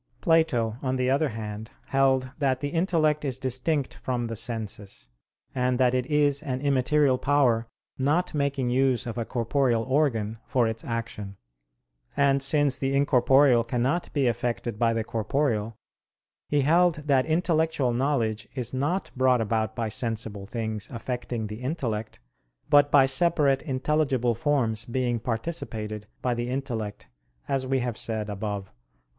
Plato, on the other hand, held that the intellect is distinct from the senses: and that it is an immaterial power not making use of a corporeal organ for its action. And since the incorporeal cannot be affected by the corporeal, he held that intellectual knowledge is not brought about by sensible things affecting the intellect, but by separate intelligible forms being participated by the intellect, as we have said above (AA.